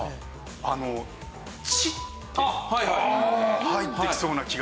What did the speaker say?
あの『チ。』って入ってきそうな気がします。